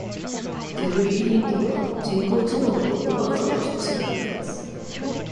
ジェフリー・ヒントンは、人工知能のゴッドファーザーとして知られています。